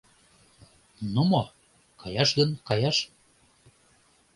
— Ну мо, каяш гын, каяш!